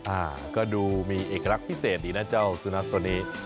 อ่าก็ดูมีเอกลักษณ์พิเศษดีนะเจ้าสุนัขตัวนี้